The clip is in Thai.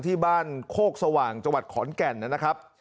ที่บ้านโคกสว่างจังหวัดขอนแก่นนะครับ